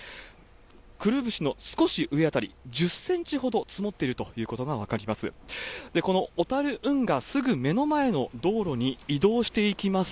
くるぶしの少し上辺り、１０センチほど積もっているということが分かります。